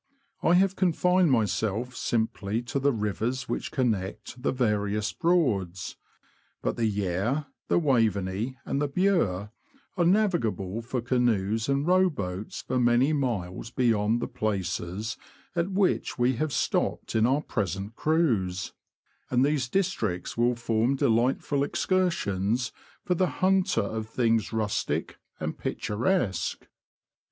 I have confined myself simply to the rivers which connect the various Broads ; but the Yare, the Waveney, and the Bure, are navigable for canoes and row boats for many miles beyond the places at which we have stopped in our present cruise, and these dis tricts will form delightful excursions for the hunter of things rustic and picturesque.